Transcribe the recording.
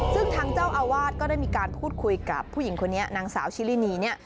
ซึ่งทางเจ้าอาวาสก็ได้มีการพูดคุยกับผู้หญิงคนนี้นางสาวชิรินีเนี่ย